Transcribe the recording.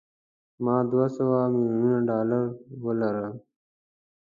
ما دوه سوه میلیونه ډالره ولرم.